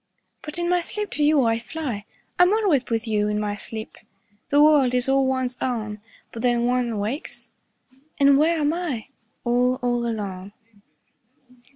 5 But in my sleep to you I fly: I'm always with you in my sleep! The world is all one's own. But then one wakes, and where am I? All, all alone.